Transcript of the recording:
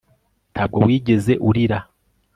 ntabwo wigeze urira